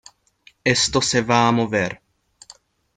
esto se va a mover.